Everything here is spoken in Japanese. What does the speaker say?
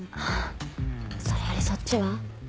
それよりそっちは？